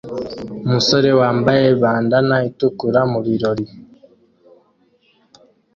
Umusore wambaye bandanna itukura mubirori